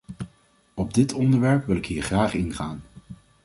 Op dit onderwerp wil ik hier graag ingaan.